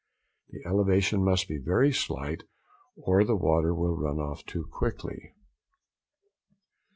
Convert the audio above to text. The elevation must be very slight or the water will run off too quickly.